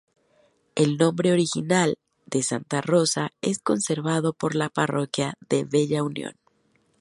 El nombre original de Santa Rosa es conservado por la parroquia de Bella Unión.